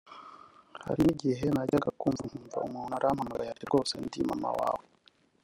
Hari n’igihe najyaga kumva nkumva umuntu arampamagaye ati ‘Rwose ndi mama wawe